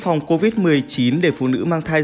phòng covid một mươi chín để phụ nữ mang thai